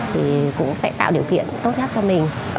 thì cũng sẽ tạo điều kiện tốt nhất cho mình